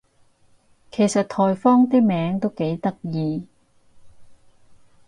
其實颱風啲名都幾得意